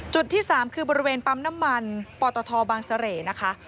ที่๓คือบริเวณปั๊มน้ำมันปตทบางเสร่นะคะ